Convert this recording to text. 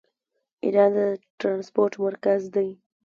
ایران د ټرانسپورټ مرکز دی.